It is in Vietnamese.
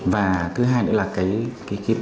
và thứ hai nữa là cái bản thân